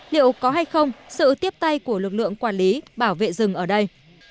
liệu có hay không sự tiếp tay của lực lượng quản lý bảo vệ rừng ở đây